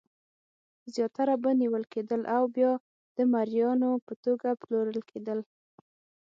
زیاتره به نیول کېدل او بیا د مریانو په توګه پلورل کېدل.